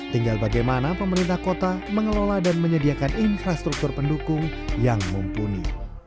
tinggal bagaimana pemerintah kota mengelola dan menyediakan infrastruktur pendukung yang mumpuni